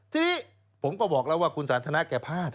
ทีนี้ผมก็บอกแล้วว่าคุณสันทนาแกพลาด